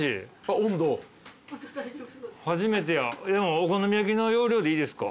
お好み焼きの要領でいいですか？